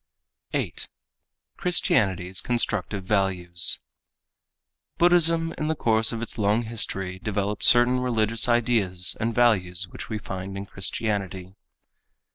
8. Christianity's Constructive Values Buddhism in the course of its long history developed certain religious ideas and values which we find in Christianity.